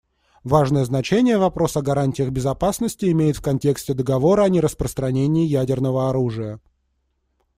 Важное значение вопрос о гарантиях безопасности имеет в контексте Договора о нераспространении ядерного оружия.